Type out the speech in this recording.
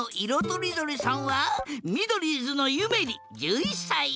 とりどりさんはミドリーズのゆめり１１さい。